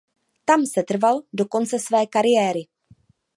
Tam setrval do konce své kariéry.